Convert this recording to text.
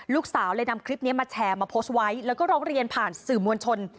ลูกสาวเลยนำคลิปนี้มาแชร์มาโพสต์ไว้แล้วก็ร้องเรียนผ่านสื่อมวลชน